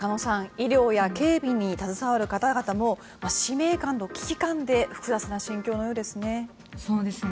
医療や警備に携わる方々も使命感と危機感で複雑な心境のようですね。